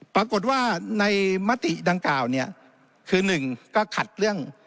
ปรากฏว่าในมติดังกล่าวเนี่ยคือหนึ่งก็ขัดเรื่อง